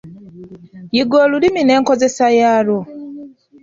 Yiga olulimi n'enkozesa yaalwo.